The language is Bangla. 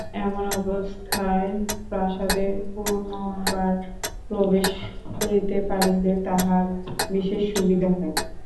এমন অবস্থায় প্রাসাদে পুনর্বার প্রবেশ করিতে পারিলে তাহার বিশেষ সুবিধা হয়।